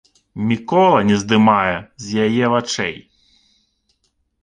Мікола не здымае з яе вачэй.